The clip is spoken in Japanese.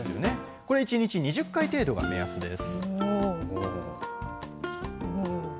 これ１日２０回程度が目安です。